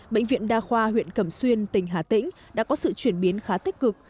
bệnh viện đa khoa huyện cẩm xuyên tỉnh hà tĩnh đã có sự chuyển biến khá tích cực